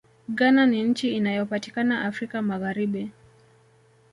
ghana ni nchi inayopatikana afrika magharibi